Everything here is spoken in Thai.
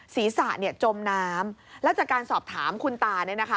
ศีรษะจมน้ำแล้วจากการสอบถามคุณตานะนะคะ